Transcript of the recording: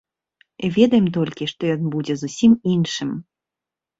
Ведаем толькі, што ён будзе зусім іншым.